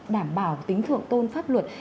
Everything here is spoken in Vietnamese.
đảm bảo tính thượng tôn pháp luật